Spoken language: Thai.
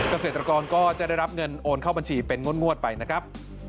เกษตรกรก็จะได้รับเงินโอนเข้าบัญชีเป็นงวดไปนะครับ